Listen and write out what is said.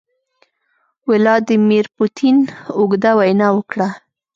ولادیمیر پوتین اوږده وینا وکړه.